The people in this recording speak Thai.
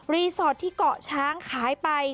รีสอร์ทที่เกาะช้างขายไป